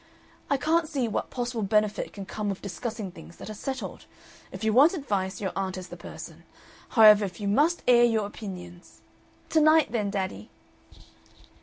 "I can't see what possible benefit can come of discussing things that are settled. If you want advice, your aunt is the person. However, if you must air your opinions " "To night, then, daddy!"